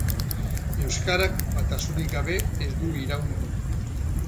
Euskarak batasunik gabe ez du iraungo.